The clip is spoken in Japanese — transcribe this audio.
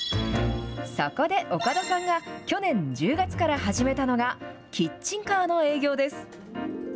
そこで、岡田さんが去年１０月から始めたのが、キッチンカーの営業です。